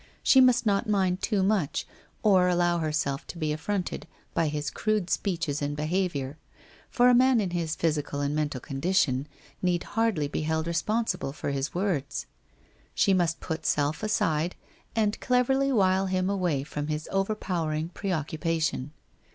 She must not mind too much or allow herself to be affronted by his crude speeches and behaviour, for a man in his physical and mental condition need hardly be held responsible for his words. She must put self aside, and cleverly wile him away from his overpowering pre occupation.